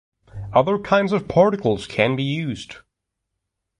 Other kinds of particles can be used.